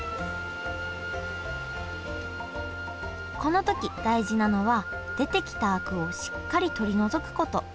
この時大事なのは出てきたアクをしっかり取り除くこと。